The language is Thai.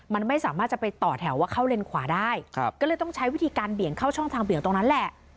มันไม่สามารถจะไปต่อแถวว่าเข้าเลนขวาได้ก็เลยต้องใช้วิธีการเบี่ยงเข้าช่องทางเบี่ยงตรงนั้นแหละ